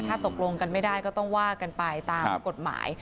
ถ้าตกลงกันไม่ได้ก็ต้องว่ากันไปตามกฎหมาย